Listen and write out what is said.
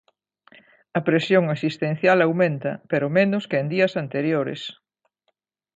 A presión asistencial aumenta, pero menos que en días anteriores.